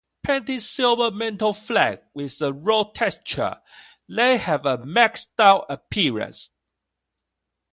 Painted silver metal-flake with a rough texture, they have a "mag-style" appearance.